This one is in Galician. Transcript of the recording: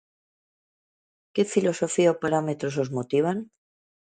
¿Que filosofía ou parámetros o motivan?